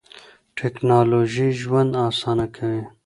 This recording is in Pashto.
ټیکنالوژي ژوند اسانه کوي.